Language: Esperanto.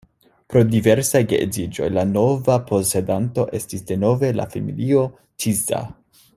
Pro diversaj geedziĝoj la nova posedanto estis denove la familio Tisza.